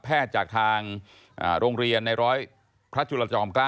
จากทางโรงเรียนในร้อยพระจุลจอม๙